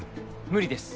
無理です。